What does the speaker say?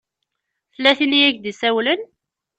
Tella tin i ak-d-isawlen?